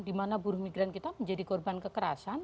di mana buruh migran kita menjadi korban kekerasan